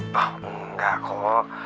wah enggak kok